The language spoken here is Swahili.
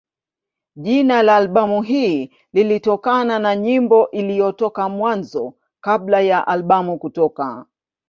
Jina la albamu hii lilitokana na nyimbo iliyotoka Mwanzo kabla ya albamu kutoka.